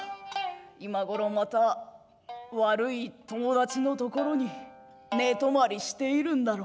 今頃また悪い友達のところに寝泊まりしているんだろう」。